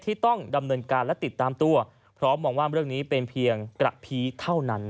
ที่ต้องดำเนินการและติดตามตัวเพราะมองว่าเรื่องนี้เป็นเพียงกระพีเท่านั้น